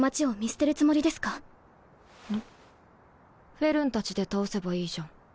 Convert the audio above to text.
フェルンたちで倒せばいいじゃん。